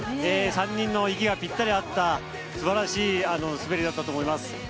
３人の息がぴったり合った素晴らしい滑りだったと思います。